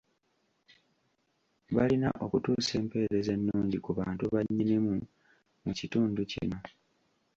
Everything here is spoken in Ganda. Balina okutuusa empeereza ennungi ku bantu ba Nnyinimu mu kitundu kino.